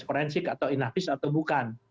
forensik atau inavis atau bukan